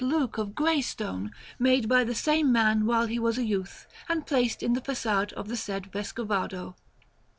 Luke of grey stone, made by the same man while he was a youth and placed in the façade of the said Vescovado.